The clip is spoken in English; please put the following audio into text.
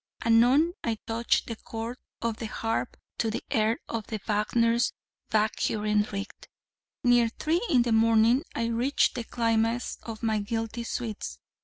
Anon I touched the chords of the harp to the air of Wagner's 'Walküren ritt.' Near three in the morning, I reached the climax of my guilty sweets.